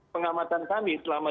pengamatan kami selama